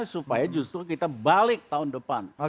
supaya justru kita balik tahun depan